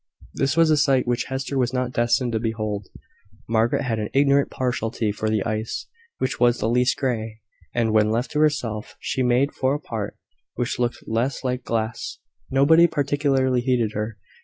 This was a sight which Hester was not destined to behold. Margaret had an ignorant partiality for the ice which was the least grey; and, when left to herself, she made for a part which looked less like glass. Nobody particularly heeded her.